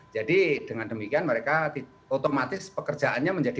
jadi dengan demikian mereka otomatis pekerjaannya menjadi